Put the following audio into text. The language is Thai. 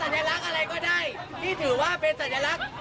สัญลักษณ์อะไรก็ได้ที่ถือว่าเป็นสัญลักษณ์